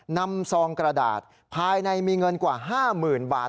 ซองกระดาษภายในมีเงินกว่า๕๐๐๐บาท